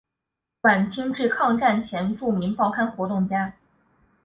晚清至抗战前著名报刊活动家。